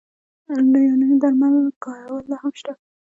د یوناني درملو کارول لا هم شته.